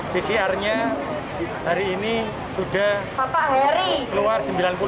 pcr nya hari ini sudah keluar sembilan puluh